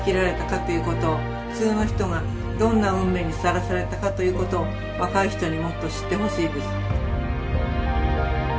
普通の人がどんな運命にさらされたかということを若い人にもっと知ってほしいです。